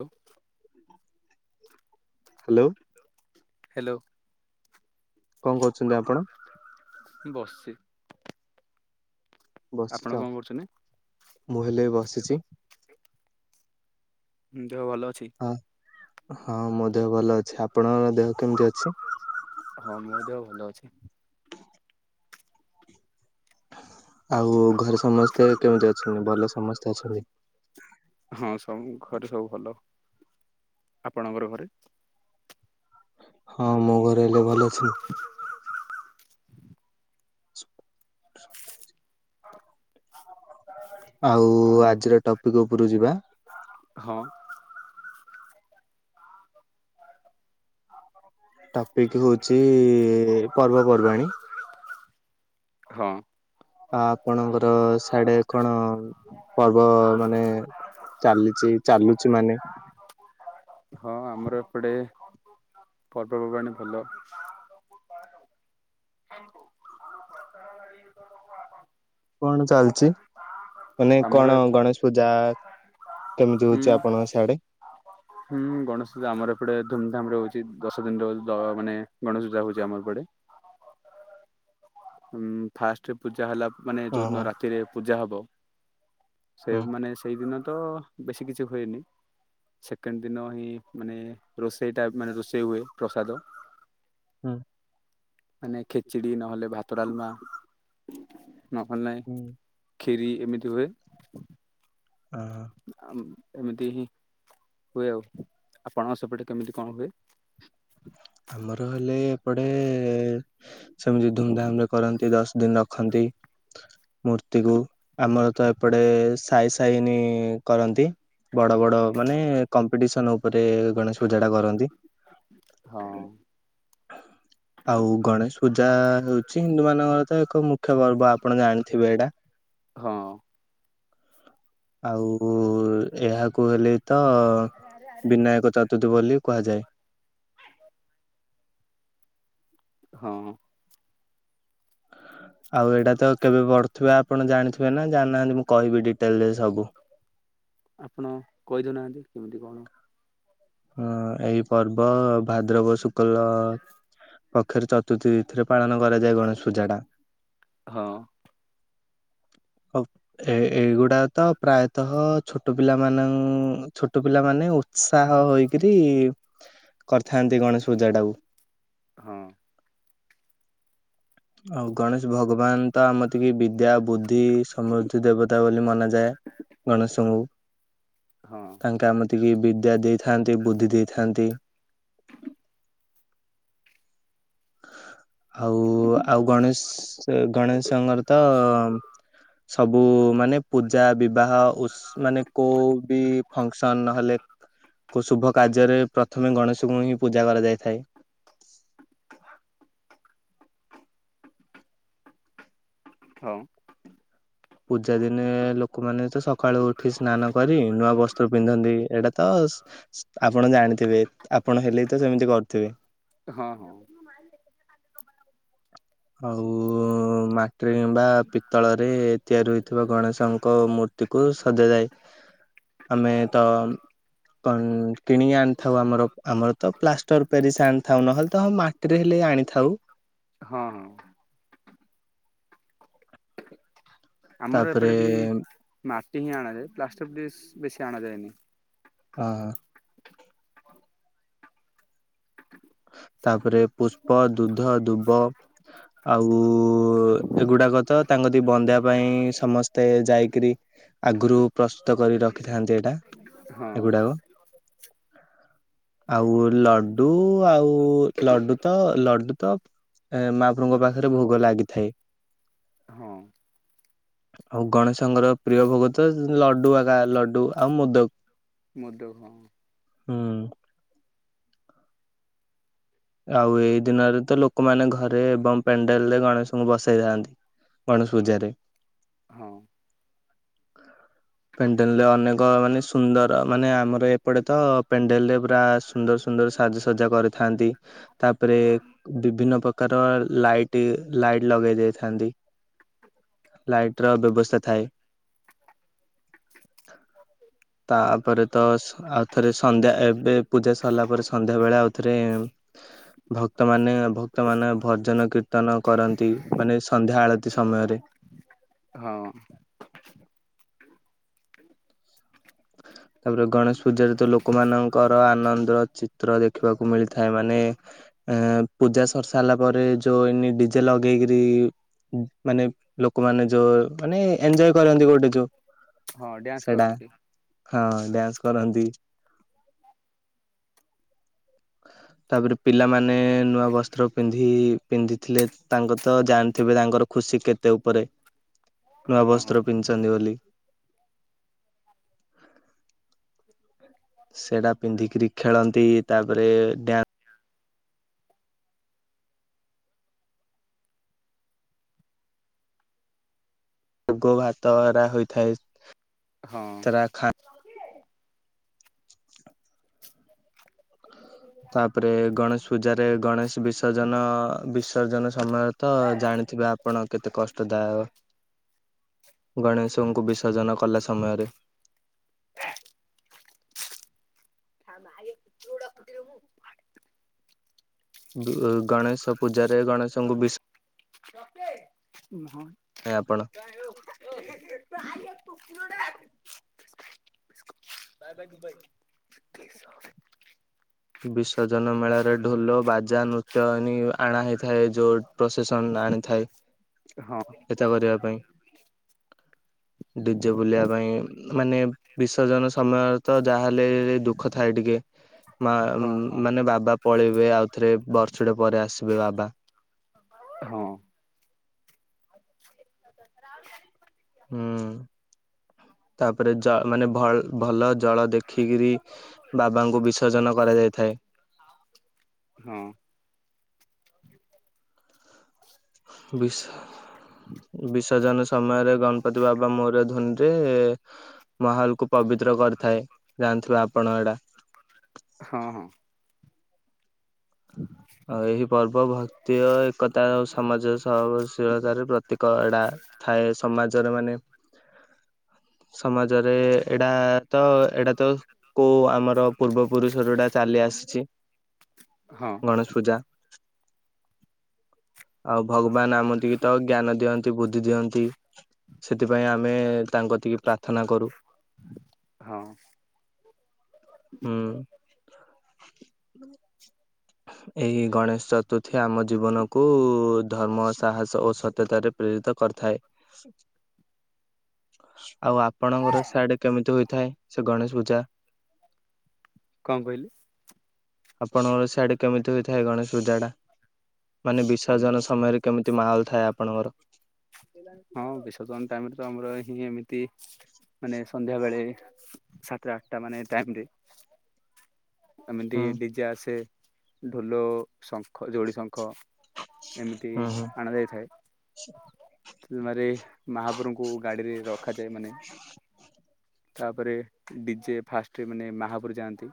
Hello. Hello. Hello. କଁ କରୁଚନ୍ତି ଆପଣ? ବସିଚି। ଆପଣ ବସିଚି ଆଉ କଣ କରୁଛନ୍ତି? ମୁଁ ହେଲେ ବସିଚି। ଉଁ ଦେହଭଲ ଅଛି? ହଁ ମୋ ଦେହଭଲ ଅଛି ଆପଣଙ୍କ ଦେହ କେମିତି ଅଛି? ହଁ ମୋଦେହ ଭଲ ଅଛି। ଆଉ ଘରେ ସମସ୍ତେ କେମିତି ଅଛନ୍ତି ଭଲ ସମସ୍ତେ ଅଛନ୍ତି? ହଁ ସବୁ ଘରେ ସବୁ ଭଲ ଆପଣଙ୍କର ଘରେ? ହଁ ମୋ ଘରେ ହେଲେ ଭଲ ଅଛି [inaudible] ଆଉ ଆଜିର ଟପିକ୍ ଉପରୁ ଯିବା? ହଁ। ଟପିକ୍ ହଉଚି ପର୍ବପର୍ବାଣୀ? ହଁ ଆ ଆପଣଙ୍କର ସାଡ଼େ କଣ ପର୍ବ ମାନେ ଚାଲିଚି ଚାଲୁଚି ମାନେ ହଁ ଆମର ଏପଟେ ପର୍ବପର୍ବାଣି ଭଲ। [unintelligible] ଆମ ପ୍ରଚାର ଗାଡ଼ି [unintelligible] ଆସନ୍ତୁ। କଣ ଚାଲିଚି ମାନେ ଆମର କଣ ଗଣେଶ ପୂଜା କେମିତି ହୁଁ ହଉଚି ଆପଣଙ୍କ ସିଆଡ଼େ? ହୁଁ ଗଣେଶ ପୂଜା ଆମର ଏପଟେ ଧୁମଧାମରେ ହଉଚି ଦଶ ଦିନରେ ହ ମାନେ ଗଣେଶ ପୂଜା ହଉଚି ଆମ ଏପଟେ। ହଁ ଫାଷ୍ଟ ପୂଜା ହେଲା ମାନେ ଓହୋ ଯୋଉଦିନ ରାତିରେ ପୂଜା ହବ ସେ ହୁଁ ମାନେ ସେଇଦିନତ ବେଶୀ କିଛି ହୁଏନି ସେକେଣ୍ଡ ଦିନ ହିଁ ମାନେ ରୋଷେଇଟା ମାନେ ରୋଷେଇ ହୁଏ ପ୍ରସାଦ ହୁଁ। ମାନେ ଖେଚଡ଼ି ନହେଲେ ଭାତଡ଼ଲମା ନହେଲେ ନାହିଁ ହୁଁ ଖିରି ଏମିତି ହୁଏ। ଓ‌ ଏମିତି ହିଁ ହୁଏ ଆଉ ଆପଣଙ୍କ ସେପଟେ କେମିତି କଣ ହୁଏ? ଆମର ହେଲେ ଏପଟେ, ସେମିତି ଧୁମଧାମ ରେ କରନ୍ତି ଦଶ ଦିନ। ଖନ୍ତି। ମୂର୍ତ୍ତିକୁୁ, ଆମର ତ ଏପଟେ ସାଇ ସାଇନି କରନ୍ତି। ବଡ ବଡ ମାନେ, କମ୍ପିଟିସନ ଉପରେ ଗଣେଶ ପୂଜା ଟା କରନ୍ତି। ହଁ। ଆଉ ଗଣେଶ ପୂଜା ହେଉଚି, ହିନ୍ଦୁ ମାନଙ୍କର ତ ଏକ ମୁଖ୍ୟ ପର୍ବ ଆପଣ ଜାଣିଥିବେ ଏଇଟା? ହଁ। ଆଉ ଏହାକୁ ହେଲେ ତ ବିନାୟକ ଚତୁର୍ଥୀ ବୋଲି କୁହାଯାଏ। ହଁ। ଆଉ ଏଇଟା ତ କେବେ ପଢୁଥିବେ ଆପଣ ଜାଣିଥିବେ ନା ଜାଣିନାହାନ୍ତି, ମୁଁ କହିବି ଡିଟେଲରେ ସବୁ। ଆପଣ କହିଦଉନାହାନ୍ତି କେମିତି କଣ? ହଁ, ଏଇ ପର୍ବ ଭାଦ୍ରବ ଶୁକ୍ଲ ପକ୍ଷରେ ଚତ ଚତୁର୍ଥୀ ତିଥିରେ ପାଳନ କରାଯାଏ ଗଣେଶ ପୂଜାଟା। ହଁ। ହଉ। ଏ ଏଇଗୁଡ଼ାକ ତ ପ୍ରାୟତଃ ଛୋଟ ପିଲାମାନଙ୍କ, ଛୋଟ ପିଲାମାନେ ଉତ୍ସାହ ହୋଇକରି କରିଥାନ୍ତି ଗଣେଶ ପୂଜା ଟାକୁ। ହଁ। ଆଉ ଗଣେଶ ଭଗବାନ ତ ଆମତିକେ ବିଦ୍ୟା ବୁଦ୍ଧି ସମୃଦ୍ଧି ଦେବତା ବୋଲି ମନାଯାଏ। ଗଣେଶଙ୍କୁ ହଁ। ତାଙ୍କେ ଆମତିକି ବିଦ୍ୟା ଦେଇଥାନ୍ତି, ବୁଦ୍ଧି ଦେଇଥାନ୍ତି ଆଉ, ଆଉ ଗଣେଶ, ଗଣେଶଙ୍କର ତ ସବୁ ମାନେ ପୂଜା ବିବାହ ଉସ୍ ମାନେ କଉ ବି ଫଙ୍କସନ ନହେଲେ କୋଉ ଶୁଭ କାର୍ଯ୍ୟରେ ପ୍ରଥମେ ଗଣେଶଙ୍କୁ ହିଁ ପୂଜା କରାଯାଇଥାଏ। ହଁ। ପୂଜା ଦିନେ ଲୋକମାନେ ତ ସକାଳୁ ଉଠି ସ୍ନାନ କରି, ନୂଆ ବସ୍ତ୍ର ପିନ୍ଧନ୍ତି, ଏଇଟା ତ ଆପଣ ଜାଣିଥିବେ, ଆପଣ ହେଲେ ବି ତ ସେମିତି କରୁଥିବେ? ହଁ ହଁ। ଆଉ ମାଟିରେ କିମ୍ବା ପିତ୍ତଳରେ ରେ ତିଆରି ହୋଇଥିବା ଗଣେଶଙ୍କ ମୂର୍ତ୍ତି କୁ ସଜାଯାଏ। ଆମେ ତ କ କିଣି ଆଣିଥାଉ ଆମର ଆମର ତ ପ୍ଲାଷ୍ଟର ପେରିସ ଆଣିଥାଉ ନହେଲେ ତ ମା ସେଥିରେ ହେଲେ ଆଣିଥାଉ। ହଁ ଅଁ। ଆମର ଏପଟେ ତାପରେ ବି ମାଟି ହିଁ ଆଣାଯାଏ, ପ୍ଲାଷ୍ଟର ପେରିସ ବେଶି ଆଣାଯାଏନି। ହଁ। ତାପରେ ପୁଷ୍ପ, ଦୁଧ, ଦୁବ ଆଉ ଏଗୁଡାକ ତ, ତାଙ୍କ କତିକି ବନ୍ଦେଇବା ପାଇଁ ସମସ୍ତେ ଯାଇକିରି ଆଗରୁ ପ୍ରସ୍ତୁତ କରି ରଖିଥାନ୍ତି ଏଇଟା। ହଁ। ଏଗୁଡାକ ଆଉ ଲଡୁ ଆଉ ଲଡୁ ତ, ଲଡୁ ତ ଏ ମହାପ୍ରଭୁଙ୍କ ପାଖରେ ଭୋଗ ଲାଗିଥାଏ। ହଁ। ଆଉ ଗଣେଶଙ୍କର ପ୍ରିୟ ଭୋଗ ତ ଲଡୁ ଆଗା ଲଡୁ ଆଉ ମୁଦକ। ମଦ ହ ହଁ ଆଉ ଏଇ ଦିନରେ ତ ଲୋକମାନେ ଘରେ ଏବଂ ପେଣ୍ଡେଲ ରେ ଗଣେଶଙ୍କୁ ବସେଇଥାନ୍ତି। ଗଣେଶ ପୂଜାରେ। ହଁ। ହ [inaudible] ପେଣ୍ଡେଲରେ ଅନେକ ମାନେ ସୁନ୍ଦର ମାନେ ଆମର ଏପଟେ ତ ପେଣ୍ଡେଲରେ ପୁରା ସୁନ୍ଦର ସୁନ୍ଦର ସାଜସଜା କରିଥାନ୍ତି ତାପରେ। ବିଭିନ୍ନ ପ୍ରକାର ଲାଇଟି ଲାଇଟି ଲଗେଇ ଦେଇଥାନ୍ତି। ଲାଇଟି ର ବ୍ୟବସ୍ଥା ଥାଏ। ତା ପରେ ତ। ଆଉଥରେ ସନ୍ଧ୍ୟା ଏବେ ପୂଜା ସରିଲା ପରେ ସନ୍ଧ୍ୟା ବେଳେ ଆଉଥରେ। ଭକ୍ତମାନେ ଭକ୍ତ ମାନ ଭଜନ କୀର୍ତ୍ତନ କରନ୍ତି। ମାନେ ସନ୍ଧ୍ୟା ଆଳତି ସମୟରେ। ହଁ। ତାପରେ ଗଣେଶ ପୂଜାରେ ତ ଲୋକମାନାନଙ୍କର ଆନନ୍ଦର ଚିତ୍ର ଦେଖିବାକୁ ମିଳିଥାଏ ମାନେ। ଏ ପୂଜା ସରି ସାରିଲା ପରେ ଯୋଉ ଏନି ଡିଜେ ଲଗେଇକିରି। ମାନେ ଲୋକମାନେ ଯୋଉ ମାନେ ଏନଜଏ କରନ୍ତି ଗୋଟେ ଯୋଉ। ହଁ ଡ୍ୟାନ୍ସ ସେଟା କରନ୍ତି। ହଁ ଡ୍ୟାନ୍ସ କରନ୍ତି। ହ [inaudible] ତାପରେ ପିଲାମାନେ ନୂଆ ବସ୍ତ୍ର ପିନ୍ଧି ପିନ୍ଧିଥିଲେ। ତାଙ୍କ ତ ଜାଣିଥିବେ ତାଙ୍କର। ଖୁସି କେତେ ଉପରେ ନୂଆ ହଁ ବସ୍ତ୍ର ପିନ୍ଧିଛନ୍ତି ବୋଲି। ସେଡା ପିନ୍ଧିକିରି ଖେଳନ୍ତି ତାପରେ ଡ୍ୟାନ୍ସ। ତାକୁ ହାତ ଭାରା ହୋଇଥାଏା। ହଁ ତାରା ଖାଁ। ତାପରେ ଗଣେଶ ପୂଜାରେ ଗଣେଶ ବିସର୍ଜନ ବିସର୍ଜନ ସମୟରେ। ତ ଜାଣିଥିବେ ଆପଣ କେତେ କଷ୍ଟଦାୟ। ଗଣେଶଙ୍କୁ ବିସର୍ଜନ କଲା ସମୟରେ। [inaudible] ଗଣେଶ ପୂଜାରେ ଗଣେଶଙ୍କୁ ବିସ ଲକେ। ହଁ। ହେଁ ଆପଣ। ! ! ! ! ! ! ! ! ! ! Bye bye Dubai. [inaudible] ବିସର୍ଜନ ମେଳାରେ ଢୋଲ ବାଜା ନୃତ୍ୟନୀ ଆଣା ହେଇଥାଏ। ଯୋଉ ପ୍ରସେସନରେ ଆଣିଥାଏ। ହଁ [inaudible] ହଁ। ଡିଜେ ବୁଲିବା ପାଇଁ ମାନେ। ବିସର୍ଜନ ସମୟରେ ତ ଯାହାହେଲେ ଦୁଃଖ ଥାଏ ଟିକେ। ମା ହଁ ମାନେ ବାବା ପଳେଇବେ ଆଉ ଥରେ ବର୍ଷଟେ ପରେ ଆସିବେ ବାବା। ହଁ। ହୁଁ ତାପରେ ଜ ମାନେ ଭଲ ଜଳ ଦେଖିକିରି। ବାବାଙ୍କୁ ବିସର୍ଜନ କରାଯାଇଥାଏ। ହଁ। ବିସହ। ବିସର୍ଜନ ସମୟରେ ଗଣପତି ବାବା ମୋର୍ ଧ୍ୱନିରେ ମହଲ କୁ ପବିତ୍ର କରିଥାଏ, ଜାଣିଥିବେ ଆପଣ ଏଟା। ହଁ ହଁ। ଆଉ ଏହି ପର୍ବ ଭକ୍ତି ଏକତା ଆଉ ସମାଜ ସହନିଶୀଳତାରେ ପ୍ରତୀକ ଏଟା। ଥାଏ ସମାଚର ମାନେ। ସମାଜରେ ଏଇଡା ତ ଏଇଟା ତ କୋଉ ଆମର ପୂର୍ବ ପୁରୁଷରୁ ଚାଲି ଆସିଚି। ହଁ। ଗଣେଶ ପୂଜା। ଆଉ ଭଗବାନ ଆମନ୍ତିତ ଜ୍ଞାନ ଦିଅନ୍ତି, ବୁଦ୍ଧି ଦିଅନ୍ତି। ସେଥିପାଇଁ ଆମେ ତାଙ୍କ ର ଟିକେ ପ୍ରାର୍ଥନା କରୁ। ହଁ। ହୁଁ। ଏହି ଗଣେଶ ଚତୁର୍ଥୀ ଆମ ଜୀବନକୁ ଧର୍ମ ସାହସ ଓ ସତ୍ୟତାରେ ପ୍ରିରିତ କରିଥାଏ। ଆଉ ଆପଣଙ୍କର ସାଇଡି ରେ କେମିତି ହୋଇଥାଏ, ସେ ଗଣେଶ ପୂଜା? କଣ୍ କହିଲେ? ଆପଣଙ୍କର ସିଆଡେ କେମିତି ହୋଇଥାଏ ଗଣେଶ ପୂଜା ଟା, ମାନେ ଆମର ବିସର୍ଜନ ସମୟରେ? କେମିତି ମାହଲ୍ ଥାଏ ଆପଣଙ୍କର? ହଁ ବିସର୍ଜନ ଟାଇମ୍ରେ ତ ଆମର ଏଠି ଏମିତି ମାନେ ସନ୍ଧ୍ୟା ବେଳେ ସାତ ଆଟ୍ ଟା ମାନେ ଟାଇମ୍ ରେ ଏମିତି ହୁଁ ଡିଜେ ଆସେ, ଢୋଲ ଶଙ୍ଖ ଯୋଡି ଶଙ୍ଖ ଏମିତି ହୁଁ ହୁଁ ଆଣ ଯାଇଥାଏ। ରୁନରେ ମାହାପୁରୁଙ୍କୁ ଗାଡିରେ ରଖାଯାଏ। ମାନେ ତାପରେ ଡିଜେ ଫାଷ୍ଟ ରେ ମାନେ ମହାପୁରୁ ଯାଆନ୍ତି।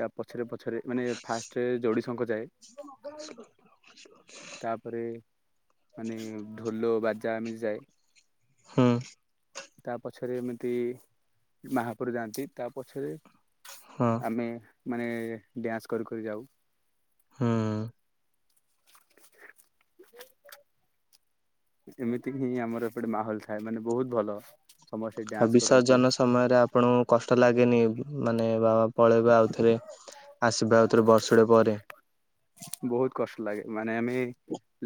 ତା ପଛରେ ପଛରେ ମାନେ ଫାଷ୍ଟରେ ଯୋଡ଼ିଶଙ୍ଖ ଯାଏ। [inaudible] [inaudible] ତାପରେ ମାନେ ଢୋଲ ବାଜା ଏମିତି ଯାଏ। ହୁଁ। ତା ପଛରେ ଏମିତି ମହାପୁରୁ ଯାଆନ୍ତି, ତା ପଛରେ ହଁ ଆମେ ମାନେ ଡ୍ୟାନ୍ସ କରି କରି ଯାଉ। ହୁଁ। [inaudible] ଏମିତିକି ହିଁ ଆମର ଏପଟେ ମାହୋଲ ଥାଏ, ମାନେ ବହୁତ୍ ଭଲ। ସମସ୍ତେ ଆଉ ଡ୍ୟାନ୍ସ କରନ୍ତି ବିସର୍ଜନ ସମୟରେ ଆପ୍ ଆପଣଙ୍କୁ କଷ୍ଟ ଲାଗେନି, ମାନେ ବାବା ପଳେଇବେ ଆଉଥରେ ଆସିବେ ଆଉଥରେ ବଷ୍ ବର୍ଷେ ପରେ? ବହୁତ୍ କଷ୍ଟ ଲାଗେ, ମାନେ ଆମେ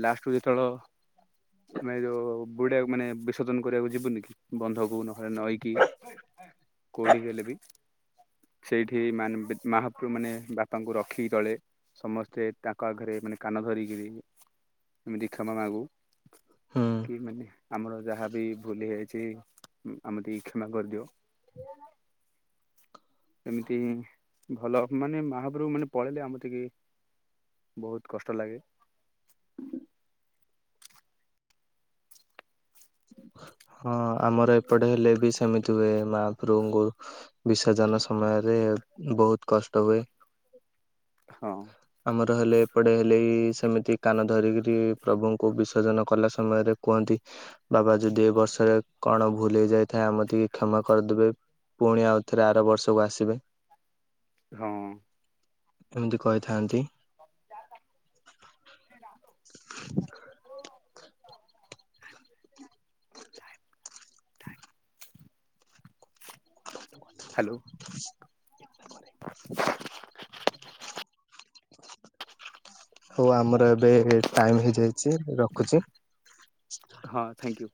ଲାଷ୍ଟ ରୁୁ ଯେତେବେଳ ଆମେ ଯୋଉ ବୁଡିଆକୁ, ମାନେ ବିସର୍ଜନ କରିଆକୁ ଯିବୁନି କି। ବନ୍ଧକୁ ନହେଲେ ନଈକି କୋଉଠି ହେଲେ ବି ସେଇଠି ମାନେ ମହାପୁରୁ ମାନେ ବାପାଙ୍କୁ ରଖିକି ତଳେ, ସମସ୍ତେ ସେ ତାଙ୍କ ଆଗରେ ମାନେ କାନ ଧରିକିରି, ଏମିତି କ୍ଷମା ମାଗୁ। ହୁଁ। କି ମାନେ ଆମର ଯାହାବ ଭୁଲି ହୋଇଛି ଆମେ ଟେ କ୍ଷମା କରିଦିଅ ଏମିତି ଭଲ ମାନେ ମହାପ୍ରଭୁ ମାନେ ପଳେଇଲେ ଆମ ଟିକେ ବହୁତ କଷ୍ଟ ଲାଗେ ହଁ ଆମର ଏପଟେ ହେଲେ ବି ସେମିତି ହୁଏ ମହାପ୍ରଭୁଙ୍କୁ ବିସର୍ଜନ ସମୟରେ ବହୁତ କଷ୍ଟ ହୁଏ। ହଁ। ଆମର ହେଲେ ଏପଡେ ହେଲେ ସେମିତି କାନ ଧରିକରି ପ୍ରଭୁ କୁ ବିସର୍ଜନ କଲା ସମୟରେ କୁହନ୍ତି ବାବା ଯଦି ଏ ବର୍ଷରେ କଣ ଭୁଲ ହେଇ ଯାଇଥାଏ ଆମେ ଟିକେ କ୍ଷମା କରିଦେବେ। ପୁଣି ଆଉଥରେ ଆର ବର୍ଷକୁ ଆସିବେ। ହଁ। ଏମିତି କହିଥାନ୍ତି। [inaudible] [inaudible] [inaudible] ହ୍ୟାଲୋ। ହଉ ଆମର ଏବେ ଟାଇମ ହେଇଯାଇଛି ରଖୁଛି। ହଁ ଥ୍ୟାଙ୍କୟୁ।